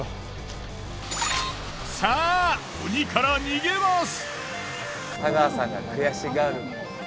さあ鬼から逃げます。